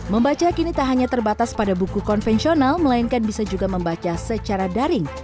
membaca kini tak hanya terbatas pada buku konvensional melainkan bisa juga membaca secara daring